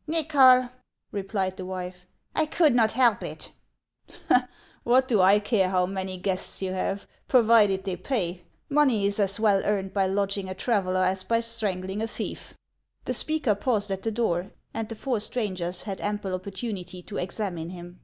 " Xychol," replied the wife, " I could not help it !"" What do I care how many guests you have, provided HANS OF ICELAND. 145 they pay ? Mouey is as well earned by lodging a traveller as by strangling a thief." The speaker paused at the door, and the four strangers had ample opportunity to examine him..